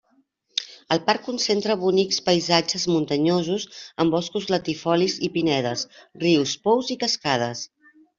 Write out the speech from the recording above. El parc concentra bonics paisatges muntanyosos amb boscos latifolis i pinedes, rius, pous i cascades.